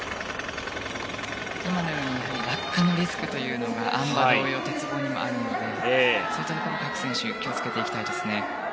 今のように落下のリスクがあん馬同様、鉄棒にもあるのでそういったところ各選手気をつけていきたいですね。